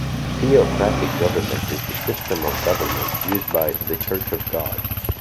Theocratic Government is the system of governance used by "The Church of God".